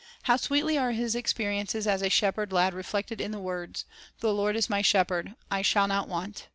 I low sweetly are his experiences as a shepherd lad reflected in the words :— "The Lord is my shepherd; I shall not want.